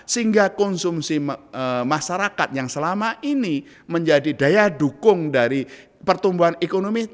sehingga konsumsi masyarakat yang selama ini menjadi daya dukung dari pertumbuhan ekonomi